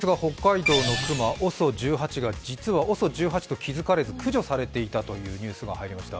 ５位ですが北海道の熊、ＯＳＯ１８ですが実はＯＳＯ１８と気付かれず駆除されていたというニュースが入りました。